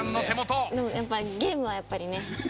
でもゲームはやっぱりね。